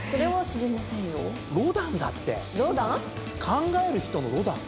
『考える人』のロダン。